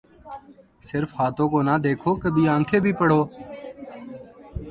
صرف ہاتھوں کو نہ دیکھو کبھی آنکھیں بھی پڑھو